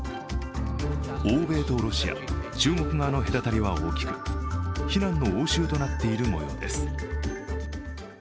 欧米とロシア、中国側の隔たりは大きく非難の応酬となっているもようです。